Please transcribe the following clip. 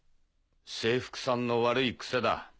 制服さんの悪いクセだ。